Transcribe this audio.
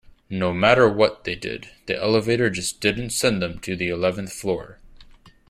No matter what they did, the elevator just didn't send them to the eleventh floor.